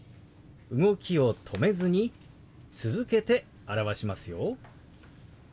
動きを止めずに続けて表しますよ。